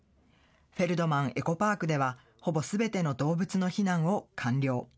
フェルドマン・エコパークでは、ほぼすべての動物の避難を完了。